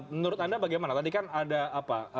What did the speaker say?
menurut anda bagaimana tadi kan ada apa